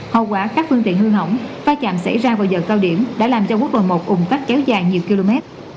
hậu quả các phương tiện hư hỏng va chạm xảy ra vào giờ cao điểm đã làm cho quốc lộ một ủng tắc kéo dài nhiều km